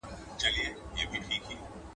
خټک که ښه سوار دئ، د يوه وار دئ.